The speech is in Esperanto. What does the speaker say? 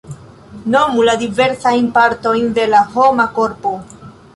Nomu la diversajn partojn de la homa korpo.